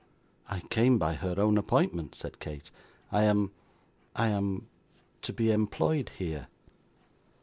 'I came by her own appointment,' said Kate; 'I am I am to be employed here.